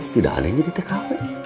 tidak ada yang jadi tkp